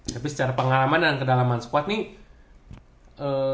tapi secara pengalaman dan kedalaman squad nih